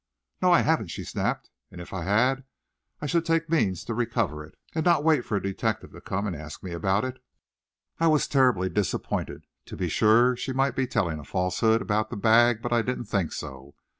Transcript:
"No, I haven't," she snapped, "and if I had, I should take means to recover it, and not wait for a detective to come and ask me about it." I was terribly disappointed. To be sure she might be telling a falsehood about the bag, but I didn't think so.